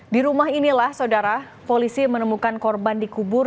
di rumah inilah saudara polisi menemukan korban dikubur